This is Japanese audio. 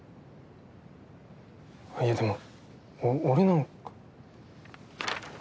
いやでもお俺なんか。